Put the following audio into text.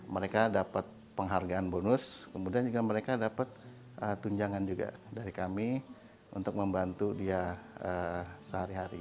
mereka dapat penghargaan bonus kemudian juga mereka dapat tunjangan juga dari kami untuk membantu dia sehari hari